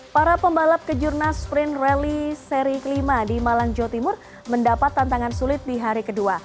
para pembalap kejurnas sprint rally seri kelima di malang jawa timur mendapat tantangan sulit di hari kedua